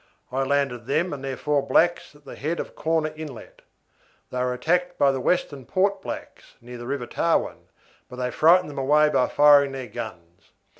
I landed them and their four blacks at the head of Corner Inlet. They were attacked by the Western Port blacks near the River Tarwin, but they frightened them away by firing their guns.